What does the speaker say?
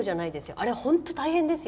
あれ、本当に大変ですよ